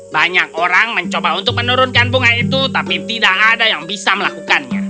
banyak orang mencoba untuk menurunkan bunga itu tapi tidak ada yang bisa melakukannya